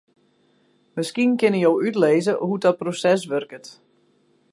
Miskien kinne jo útlizze hoe't dat proses wurket?